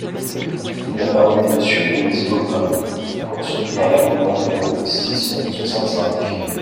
La parole est à Monsieur Denis Baupin, pour soutenir l’amendement numéro six cent soixante-cinq.